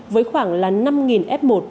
với khoảng là năm f một